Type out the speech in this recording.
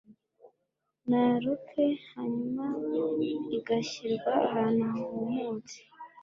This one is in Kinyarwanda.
na ruke Hanyuma igashyirwa ahantu humutse